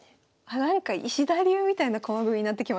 あなんか「石田流」みたいな駒組みになってきましたね。